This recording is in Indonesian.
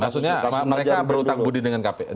maksudnya mereka berhutang budi dengan kpk